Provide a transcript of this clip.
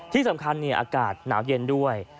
ที่สำคัญอากาศหนาวเย็นด้วย